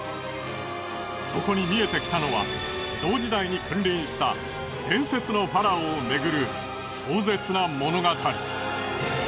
そこに見えてきたのは同時代に君臨した伝説のファラオをめぐる壮絶な物語。